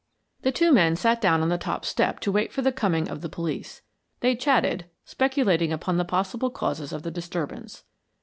The two men then sat down on the top step to wait for the coming of the police. They chatted, speculating upon the possible causes of the disturbance.